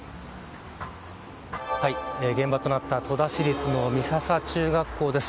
現場となった戸田市立美笹中学校です。